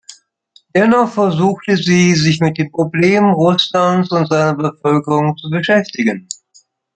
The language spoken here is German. Dennoch versuchte sie, sich mit den Problemen Russlands und seiner Bevölkerung zu beschäftigen.